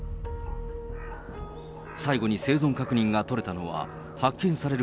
最後に生存確認が取れたのは、発見される